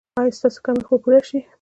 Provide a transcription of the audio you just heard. ایا ستاسو کمښت به پوره شي؟